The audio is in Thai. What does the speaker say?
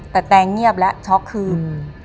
แต่แตงเงียบแล้วช็อกคืน